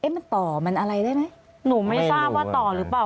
มันต่อมันอะไรได้ไหมหนูไม่ทราบว่าต่อหรือเปล่า